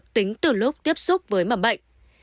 tiếp xúc với mầm bệnh